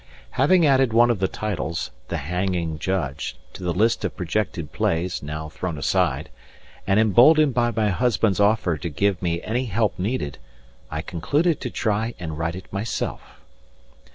Having added one of the titles, The Hanging Judge, to the list of projected plays, now thrown aside, and emboldened by my husband's offer to give me any help needed, I concluded to try and write it myself.